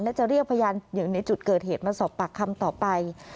และจะเรียกพยานอยู่ในจุดเกิดเหตุมาสอบปากคำต่อไป